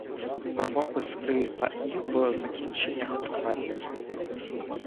Правопис и та і в закінченнях прикметників